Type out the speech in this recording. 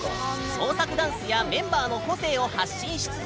創作ダンスやメンバーの個性を発信し続け